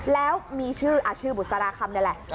แล้วมีชื่อชื่อบุษราคำนี่แหละ